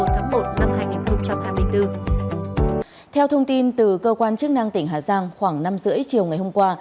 theo thông tin từ cơ quan chức năng tỉnh hà giang khoảng năm h ba mươi chiều ngày hôm qua